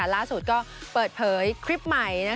ล่าสุดก็เปิดเผยคลิปใหม่